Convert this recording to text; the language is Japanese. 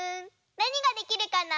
なにができるかな？